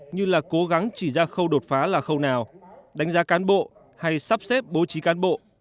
như là cố gắng chỉ ra khâu đột phá là khâu nào đánh giá cán bộ hay sắp xếp bố trí cán bộ